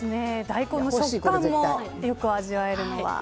大根の食感も良く味わえるのは。